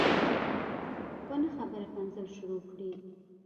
په نه خبره کنځل شروع کړي